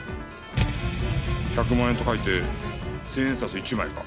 「百万円」と書いて千円札１枚か。